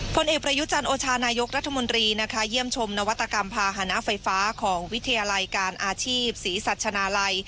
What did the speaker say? ผลเอกประยุจันทร์โอชานายกรัฐมนตรีนะคะเยี่ยมชมนวัตกรรมภาษณะไฟฟ้าของวิทยาลัยการอาชีพศรีสัชนาลัย